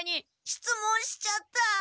しつもんしちゃった。